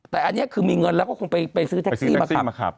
แต่อันนี้คือมีเงินแล้วก็คงไปซื้อแท็กซี่มาขับ